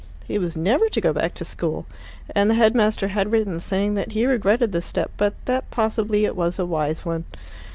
He was never to go back to school, and the head master had written saying that he regretted the step, but that possibly it was a wise one.